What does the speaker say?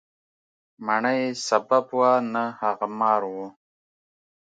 مڼه یې سبب وه، نه هغه مار و.